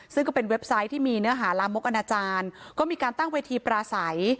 ซึ่งก็เป็นเว็บไซต์ที่มีเนื้อหาลามกอนาจารย์ก็มีการตั้งเวทีปราศัย